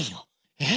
えっ？